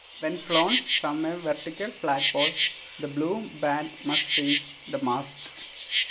When flown from a vertical flagpole, the blue band must face the mast.